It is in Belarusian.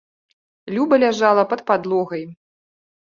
Люба ляжала пад падлогай.